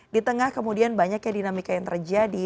di tengah kemudian banyaknya dinamika yang terjadi